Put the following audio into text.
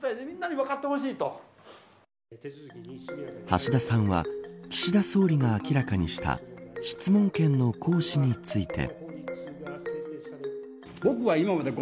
橋田さんは岸田総理が明らかにした質問権の行使について。